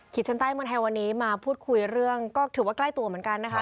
ชั้นใต้เมืองไทยวันนี้มาพูดคุยเรื่องก็ถือว่าใกล้ตัวเหมือนกันนะคะ